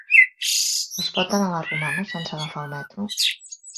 Es pot anar a la Romana sense agafar el metro?